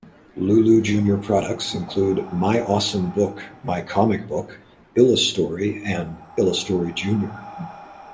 Lulu Junior products include My Awesome Book, My Comic Book, IlluStory, and IlluStory Junior.